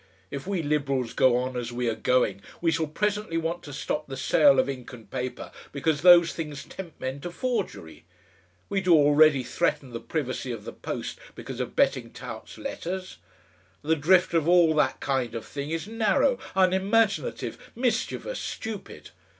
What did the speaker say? If we Liberals go on as we are going, we shall presently want to stop the sale of ink and paper because those things tempt men to forgery. We do already threaten the privacy of the post because of betting tout's letters. The drift of all that kind of thing is narrow, unimaginative, mischievous, stupid...."